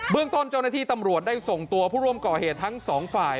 เรื่องต้นเจ้าหน้าที่ตำรวจได้ส่งตัวผู้ร่วมก่อเหตุทั้งสองฝ่าย